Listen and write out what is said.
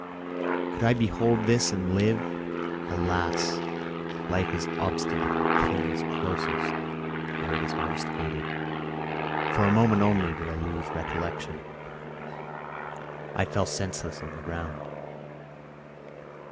Could I behold this and live? Alas! Life is obstinate and clings closest where it is most hated. For a moment only did I lose recollection; I fell senseless on the ground.